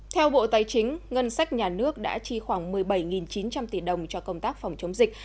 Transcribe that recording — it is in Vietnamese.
theo bộ tài chính ngân sách nhà nước đã chi khoảng một mươi bảy chín trăm linh tỷ đồng cho công tác phòng chống dịch